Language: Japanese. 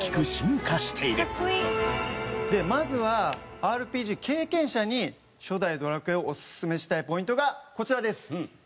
まずはＲＰＧ経験者に初代『ドラクエ』をおすすめしたいポイントがこちらです。